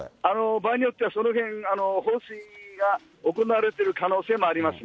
場合によってはその辺、放水が行われている可能性もあります